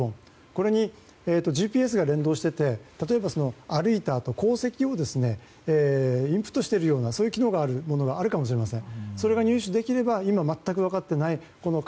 これにＧＰＳが連動していて例えば歩いた跡、こう跡をインプットしているようなそういう機能があるものがあるかもしれません。